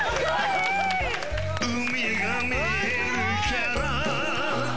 海が見えるから